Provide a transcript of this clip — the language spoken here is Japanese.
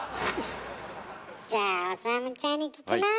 じゃあ理ちゃんに聞きます！